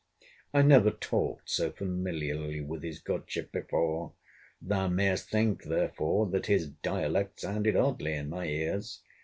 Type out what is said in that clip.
I never talked so familiarly with his godship before: thou mayest think, therefore, that his dialect sounded oddly in my ears.